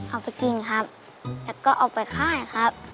เอาไปกินครับแล้วก็เอาไปค่ายครับ